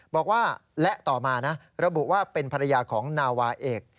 บอกว่าและต่อมานะระบุว่าเป็นภรรยาของนาวาเอก